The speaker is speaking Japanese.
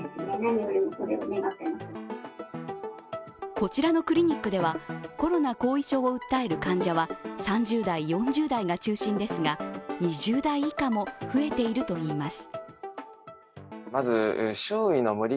こちらのクリニックでは、コロナ後遺症を訴える患者は３０代、４０代が中心ですが２０代以下も増えているといいます。